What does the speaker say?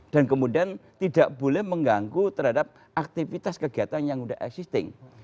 dan kemudian tidak boleh mengganggu terhadap aktivitas kegiatan yang udah existing